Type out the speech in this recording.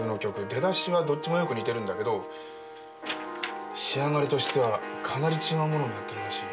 出だしはどっちもよく似てるんだけど仕上がりとしてはかなり違うものになってるらしい。